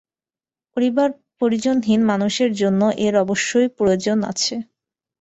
পরিবারপরিজনহীন মানুষদের জন্যে এর অবশ্যি প্রয়োজন আছে।